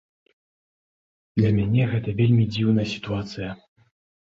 Для мяне гэта вельмі дзіўная сітуацыя.